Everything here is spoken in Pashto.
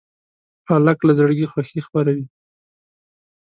هلک له زړګي خوښي خپروي.